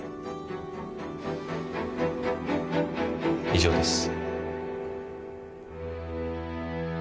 以上です